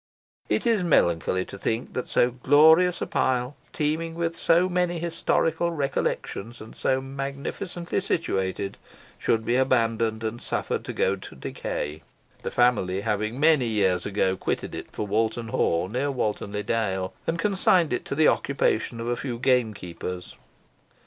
It is melancholy to think that so glorious a pile, teeming with so many historical recollections, and so magnificently situated, should be abandoned, and suffered to go to decay; the family having, many years ago, quitted it for Walton Hall, near Walton le Dale, and consigned it to the occupation of a few gamekeepers.